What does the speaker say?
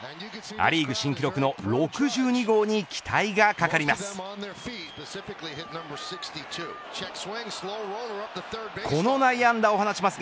ア・リーグ新記録の６２号に期待がかかります。